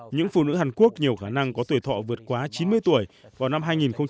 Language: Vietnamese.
những phụ nữ hàn quốc nhiều khả năng có tuổi thọ vượt quá chín mươi tuổi vào năm hai nghìn một mươi